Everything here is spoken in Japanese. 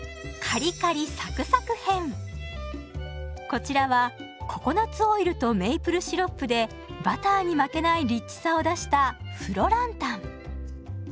こちらはココナツオイルとメイプルシロップでバターに負けないリッチさを出したフロランタン。